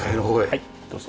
はいどうぞ。